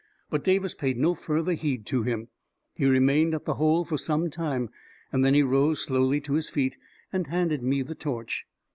But Davis paid no further heed to him. He re mained at the hole for some time; then he rose slowly to his feet and handed me the torch.